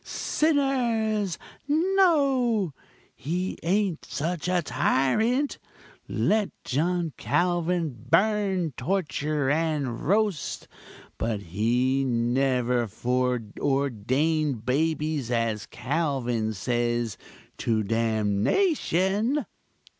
_ sinners, no!! He ain't such a tyrant! Let John Calvin burn, torture and roast, but He never foreordained babies, as Calvin says, to damnation!